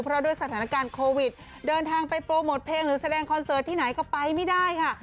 เพราะด้วยสถานการณ์โควิดเดินทางไปโปรโมทเพลงหรือแสดงคอนเสิร์ตที่ไหนก็ไปไม่ได้ค่ะ